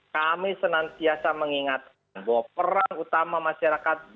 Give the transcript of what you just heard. kami senantiasa mengingatkan bahwa peran utama masyarakat